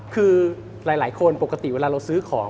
คือหลายคนปกติเวลาเราซื้อของ